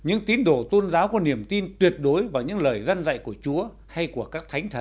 những tín đồ tôn giáo có niềm tin tuyệt đối vào những lời dăn dạy của chúa hay của các thánh thần